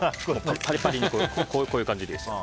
パリパリにこういう感じでいいです。